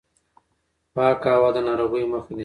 پاکه هوا د ناروغیو مخه نیسي.